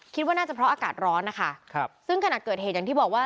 คิดว่าน่าจะเพราะอากาศร้อนนะคะซึ่งขณะเกิดเหตุอย่างที่บอกว่า